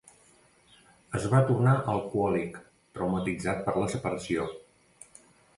Es va tornar alcohòlic, traumatitzat per la separació.